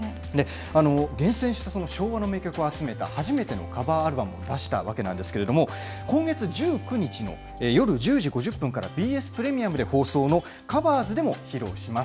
厳選した昭和の名曲を集めた初めてのカバーアルバムを出したわけなんですけれども、今月１９日の夜１０時５０分からＢＳプレミアムで放送のカバーズでも披露します。